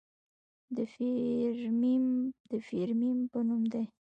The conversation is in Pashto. د فیرمیم د فیرمي په نوم دی.